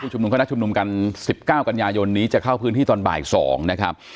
ชุมนุมเขานัดชุมนุมกัน๑๙กันยายนนี้จะเข้าพื้นที่ตอนบ่าย๒นะครับ